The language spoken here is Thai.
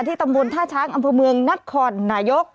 ตำบลท่าช้างอำเภอเมืองนครนายก